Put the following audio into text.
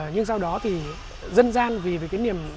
nhưng sau đó dân gian vì niềm